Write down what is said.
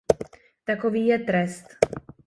Takový je trest.